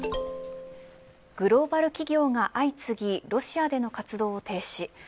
グローバル企業が相次ぎロシアでの活動を停止。